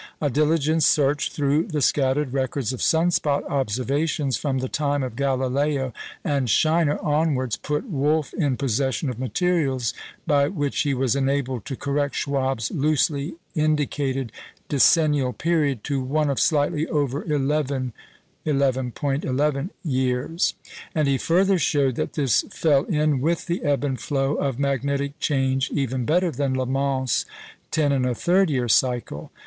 A diligent search through the scattered records of sun spot observations, from the time of Galileo and Scheiner onwards, put Wolf in possession of materials by which he was enabled to correct Schwabe's loosely indicated decennial period to one of slightly over eleven (11.11) years; and he further showed that this fell in with the ebb and flow of magnetic change even better than Lamont's 10 1/3 year cycle.